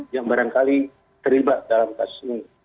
yang barangkali terlibat dalam kasus ini